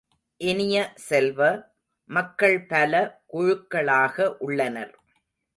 இனிய செல்வ, மக்கள் பல குழுக்களாக உள்ளனர்.